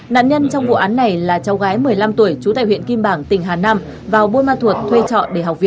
nạn nhân trong vụ án này là cháu gái một mươi năm tuổi trú tại huyện kim bảng tỉnh hà nam vào buôn ma thuột thuê trọ để học viện